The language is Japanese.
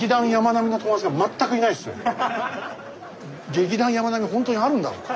劇団山脈はほんとにあるんだろうか。